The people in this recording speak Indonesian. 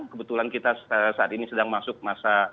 kebetulan kita saat ini sedang masuk masa